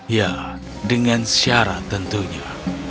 ya dengan syarat tentunya